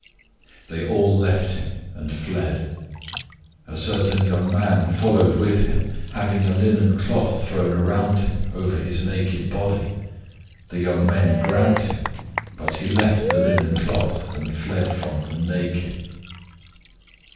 014:050 They all left him, and fled. 014:051 A certain young man followed him, having a linen cloth thrown around himself, over his naked body. The young men grabbed him, 014:052 but he left the linen cloth, and fled from them naked.